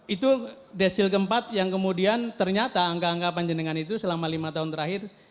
itu desil keempat yang kemudian ternyata angka angka panjenengan itu selama lima tahun terakhir